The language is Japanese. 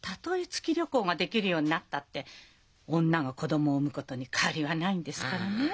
月旅行ができるようになったって女が子供を産むことに変わりはないんですからね。